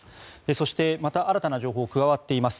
そして、また新たな情報が加わっています。